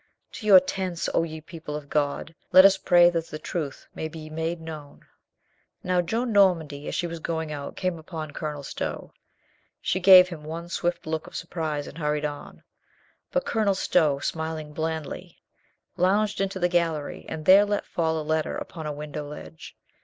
"To your tents, oh ye people of God. Let us pray that the truth may be made known." Now Joan Normand) ', as she was going out, came upon Colonel Stow. She gave him one swift look of surprise and hurried on. But Colonel Stow, smil ing blandly, lounged into the gallery and there let fall a letter upon a window ledge.